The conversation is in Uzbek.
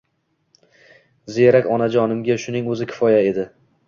Ziyrak onajonimga shuning o‘zi kifoya edi.